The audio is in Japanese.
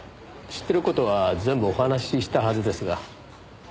知ってる事は全部お話ししたはずですが。